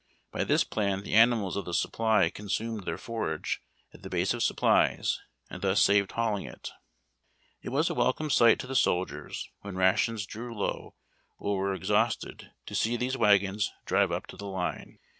By this plan the animals of the supply consumed their forage at the base of supplies, and thus saved hauling it. It was a welcome sight to the soldiers when rations drew low, or were exhausted, to see these wagons drive up to the lines.